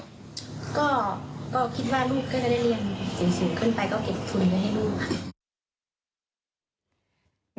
ก็คิดว่าลูกก็จะได้เรียนสูงขึ้นไปก็เก็บทุนให้ลูก